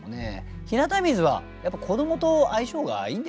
「日向水」はやっぱり子どもと相性がいいんですかね。